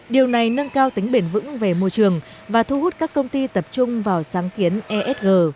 điều này nâng cao tính bền vững về môi trường và thu hút các công ty tập trung vào sáng kiến esg